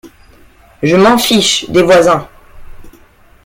Je m'en fiche, des voisins …